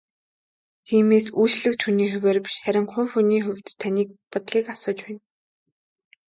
Тиймээс үйлчлэгч хүний хувиар биш харин хувь хүний хувьд таны бодлыг асууж байна.